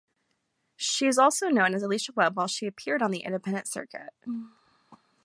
She is also known as Alicia Webb while she appeared on the Independent circuit.